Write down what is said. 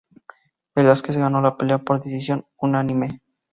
Velásquez ganó la pelea por decisión unánime.